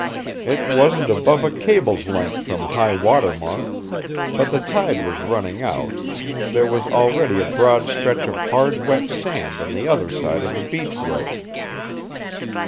It wasn't above a cable's length from high water mark, but the tide was running out, and there was already a broad stretch of hard wet sand on the other side of the beach road.